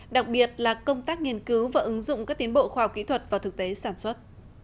đặc biệt là công tác nghiên cứu và ứng dụng các tiến bộ khoa học kỹ thuật vào thực tế sản xuất